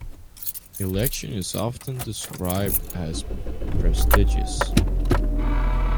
Election is often described as "prestigious".